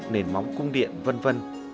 nền móng cung điện v v